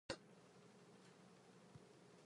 パンツは陰干し